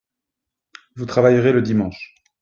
Vous travaillerez le dimanche